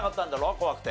怖くて。